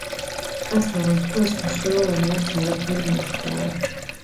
კაცმა რომ თქვას, მნიშვნელოვანი არც არაფერი მომხდარა.